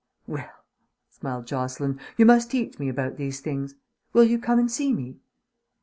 "Well," smiled Jocelyn, "you must teach me about these things. Will you come and see me?"